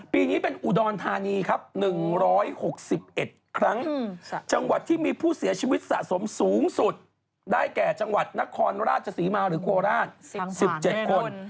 ปีนี้เป็นอุดรธานีครับ๑๖๑ครั้งจังหวัดที่มีผู้เสียชีวิตสะสมสูงสุดได้แก่จังหวัดนครราชศรีมาหรือโคราช๑๗คน